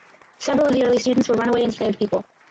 Several of the early students were runaway enslaved people.